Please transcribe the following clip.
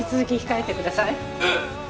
えっ！